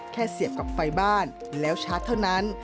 เสียบกับไฟบ้านแล้วชาร์จเท่านั้น